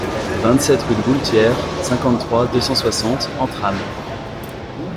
vingt-sept rue de Bouletière, cinquante-trois, deux cent soixante, Entrammes